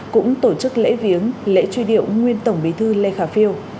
cũng tổ chức lễ viếng lễ truy điệu nguyên tổng bí thư lê khả phiêu